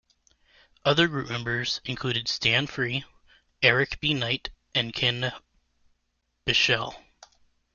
Other group members included Stan Free, Eric B. Knight, and Ken Bichel.